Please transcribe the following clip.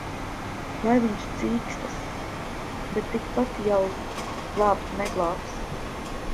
Lai viņš cīkstas! Bet tikpat jau glābt neglābs.